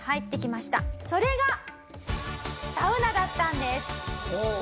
それがサウナだったんです。